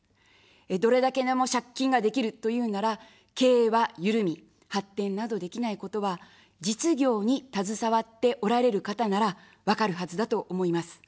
どれだけでも借金ができるというなら、経営は緩み発展などできないことは、実業に携わっておられる方なら分かるはずだと思います。